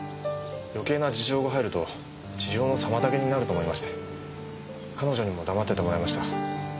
余計な事情が入ると治療の妨げになると思いまして彼女にも黙っててもらいました。